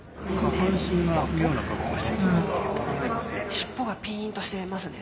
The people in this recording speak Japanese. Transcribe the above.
尻尾がピーンとしてますね